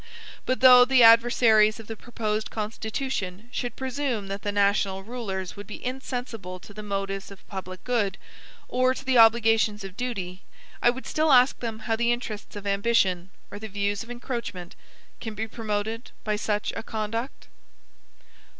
But though the adversaries of the proposed Constitution should presume that the national rulers would be insensible to the motives of public good, or to the obligations of duty, I would still ask them how the interests of ambition, or the views of encroachment, can be promoted by such a conduct?